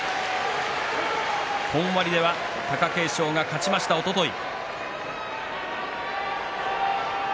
本割では貴景勝が勝ちましたおととい。